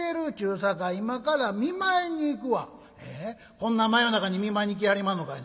こんな真夜中に見舞いに行きはりまんのかいな。